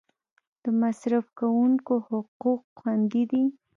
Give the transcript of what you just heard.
د مصرف کونکو حقوق خوندي دي؟